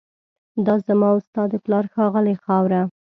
دا زما او ستا د پلار ښاغلې خاوره